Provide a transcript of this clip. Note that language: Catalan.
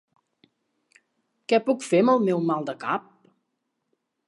Què puc fer amb el meu mal de cap?